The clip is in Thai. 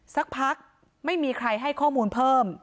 สักพักไม่มีใครให้ข้อมูลเพิ่ม